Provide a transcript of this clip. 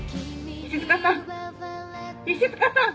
石塚さん！